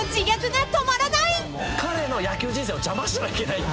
彼の野球人生を邪魔してはいけないって。